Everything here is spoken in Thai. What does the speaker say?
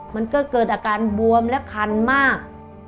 มันก็เกิดอาการบวมและคันมาก